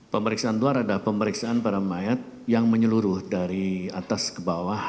pemeriksaan luar adalah pemeriksaan pada mayat yang menyeluruh dari atas ke bawah